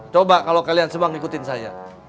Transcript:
coba kalau kalian semua ngikutin saya